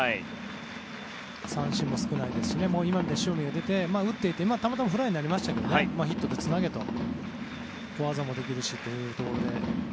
三振も少ないですし今みたいに塩見も出て打っていってたまたまフライになりましたけどヒットでつなげて小技もできるしというところで。